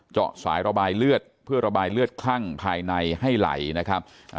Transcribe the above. เจาะสายระบายเลือดเพื่อระบายเลือดคลั่งภายในให้ไหลนะครับ